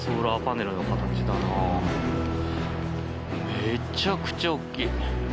めちゃくちゃおっきい。